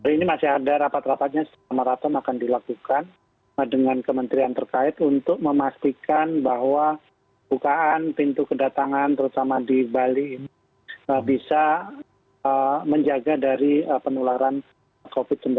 ini masih ada rapat rapatnya secara maraton akan dilakukan dengan kementerian terkait untuk memastikan bahwa bukaan pintu kedatangan terutama di bali ini bisa menjaga dari penularan covid sembilan belas